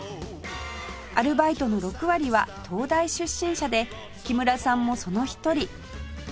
アルバイトの６割は東大出身者で木村さんもその一人